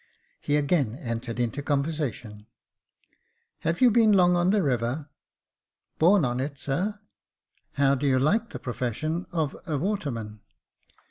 He again entered into conversation, " Have you been long on the river ?"" Born on it, sir." 252 Jacob Faithful " How do you like the profession of a waterman